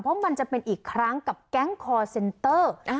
เพราะมันจะเป็นอีกครั้งกับแก๊งคอร์เซนเตอร์